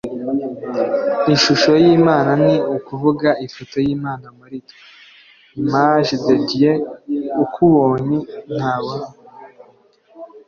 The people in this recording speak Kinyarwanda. ishusho y'imana ni ukuvuga ifoto y'imana muri twe (image de dieu) ukubonye ntabona